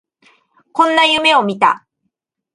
こんな夢を見た